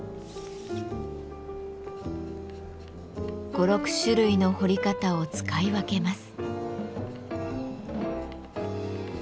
５６種類の彫り方を使い分けます。